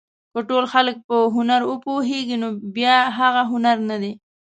که ټول خلک په هنر وپوهېږي نو بیا هغه هنر نه دی.